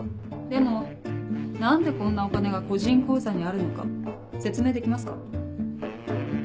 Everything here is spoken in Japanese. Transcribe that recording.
でも何でこんなお金が個人口座にあるのか説明できますか？